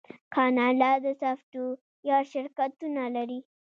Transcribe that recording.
کاناډا د سافټویر شرکتونه لري.